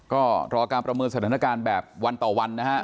ก็รอการประเมินสถานการณ์แบบวันต่อวันนะฮะ